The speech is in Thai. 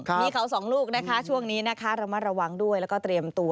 มีเขา๒ลูกเวลานี้นะคะรัมมะระวังด้วยแล้วก็เตรียมตัว